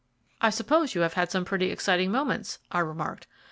"I suppose you have had some pretty exciting moments," I remarked.